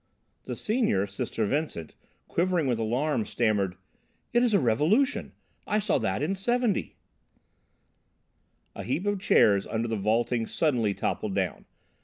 The Senior, Sister Vincent, quivering with alarm, stammered: "It is a revolution I saw that in '70." A heap of chairs under the vaulting suddenly toppled down.